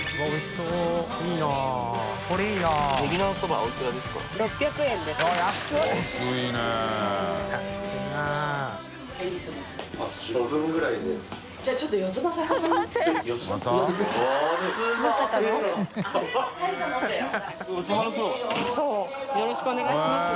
そうよろしくお願いします